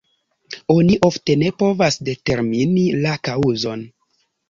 Oni ofte ne povas determini la kaŭzon.